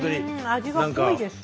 味が濃いです。